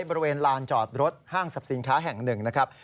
บริเวณลานจอดรถห้างสรรพสินค้าแห่งหนึ่งนะครับ